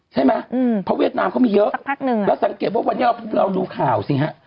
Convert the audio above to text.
ใช่ไหมเพราะเวียดนามเขามีเยอะสักพักหนึ่งแล้วสังเกตว่าวันนี้เราดูข่าวสิฮะ